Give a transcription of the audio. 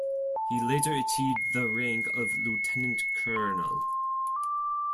He later achieved the rank of lieutenant colonel.